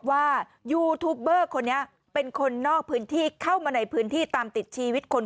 ว่ายูทูปเบอร์คนนี้เป็นคนนอกพื้นที่เข้ามาในพื้นที่ตามติดชีวิตคน